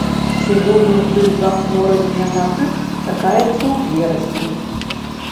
Сезонны ўздым захворвання на грып чакаецца ў верасні.